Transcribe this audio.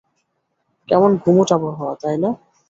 কেমন গুমোট আবহাওয়া, তাই না?